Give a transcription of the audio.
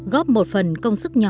góp một phần công sức nhỏ